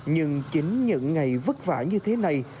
nhưng chính những ngày vất vả như thế này